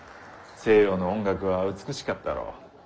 西洋の音楽は美しかったろう？